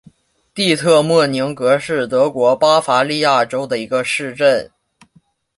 蒂特莫宁格是德国巴伐利亚州的一个市镇。